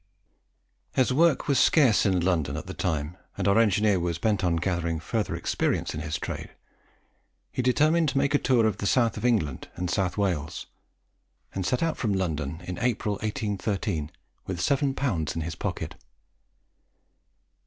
As work was scarce in London at the time, and our engineer was bent on gathering further experience in his trade, he determined to make a tour in the South of England and South Wales; and set out from London in April 1813 with 7L. in his pocket.